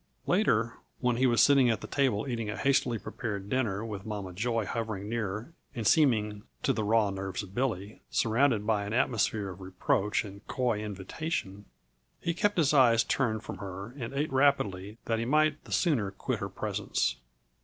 Later, when he was sitting at the table eating a hastily prepared dinner with Mama Joy hovering near and seeming, to the raw nerves of Billy, surrounded by an atmosphere of reproach and coy invitation, he kept his eyes turned from her and ate rapidly that he might the sooner quit her presence.